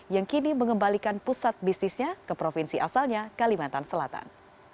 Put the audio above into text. yang kini mengembalikan pusat bisnisnya ke provinsi asalnya kalimantan selatan